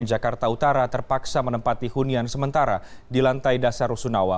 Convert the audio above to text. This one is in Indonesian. jakarta utara terpaksa menempati hunian sementara di lantai dasar rusunawa